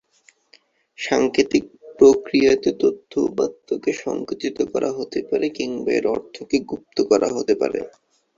সাংকেতিক প্রক্রিয়াতে তথ্য-উপাত্তকে সংকুচিত করা হতে পারে কিংবা এর অর্থকে গুপ্ত করা হতে পারে।